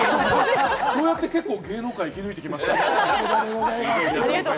そうやって結構、芸能界、生き抜いて来ました。